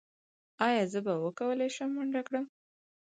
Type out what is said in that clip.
ایا زه به وکولی شم منډه کړم؟